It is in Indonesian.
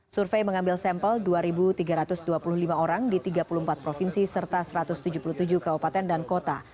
survei mengambil sampel dua tiga ratus dua puluh lima orang di tiga puluh empat provinsi serta satu ratus tujuh puluh tujuh kabupaten dan kota